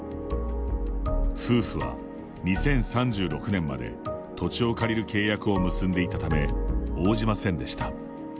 夫婦は２０３６年まで土地を借りる契約を結んでいたため応じませんでした。